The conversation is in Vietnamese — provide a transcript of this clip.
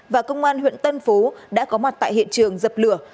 và công an huyện tân phú đã có mặt tại hiện trường dập lửa